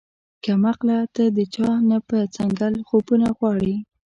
کم عقله تۀ د چا نه پۀ څنګل خوبونه غواړې